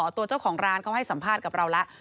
ตัวเจ้าของร้านเขาให้สัมภาษณ์กับเราแล้ว